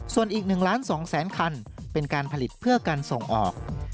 ส่วนอีก๑ล้าน๒แสนคันเป็นการผลิตเพื่อการส่งออก